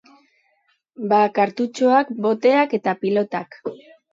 Ba kartutxoak, boteak eta pilotak.